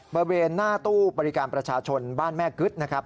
บริเวณหน้าตู้บริการประชาชนบ้านแม่กึ๊ดนะครับ